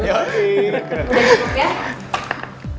udah cukup ya